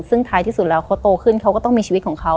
ซึ่งท้ายที่สุดแล้วเขาโตขึ้นเขาก็ต้องมีชีวิตของเขา